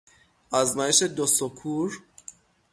آزمایش دو سوکور